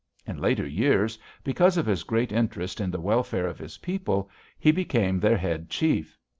In later years, because of his great interest in the welfare of his people, he became their head chief.